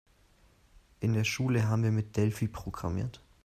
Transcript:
In der Schule haben wir mit Delphi programmiert.